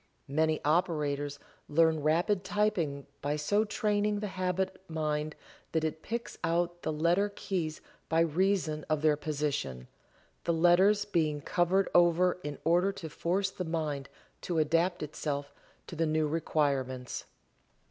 Many operators learn rapid typewriting by so training the habit mind that it picks out the letter keys by reason of their position, the letters being covered over in order to force the mind to adapt itself to the new requirements.